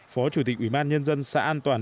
phó chủ tịch ủy ban nhân dân xã an toàn